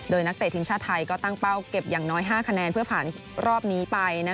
โดยนักเตะทีมชาติไทยก็ตั้งเป้าเก็บอย่างน้อย๕คะแนนเพื่อผ่านรอบนี้ไป